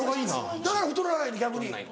だから太らないんだ逆に。